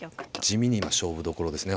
地味に今勝負どころですね。